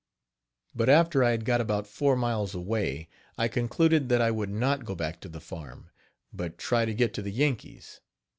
But after I had got about four miles away, I concluded that I would not go back to the farm, but try to get to the Yankees.